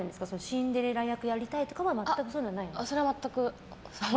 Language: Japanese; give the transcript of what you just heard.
シンデレラ役やりたいとか全くそういうのは？